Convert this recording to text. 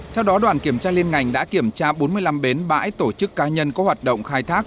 theo đó đoàn kiểm tra liên ngành đã kiểm tra bốn mươi năm bến bãi tổ chức ca nhân có hoạt động khai thác